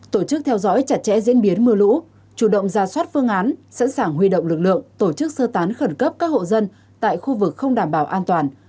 tổ chức theo dõi chặt chẽ diễn biến mưa lũ chủ động ra soát phương án sẵn sàng huy động lực lượng tổ chức sơ tán khẩn cấp các hộ dân tại khu vực không đảm bảo an toàn